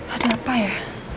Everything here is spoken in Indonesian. ada apa ya